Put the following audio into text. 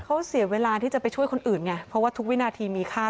เขาเสียเวลาที่จะไปช่วยคนอื่นไงเพราะว่าทุกวินาทีมีค่า